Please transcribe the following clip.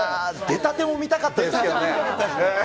出たても見たかったですけどね。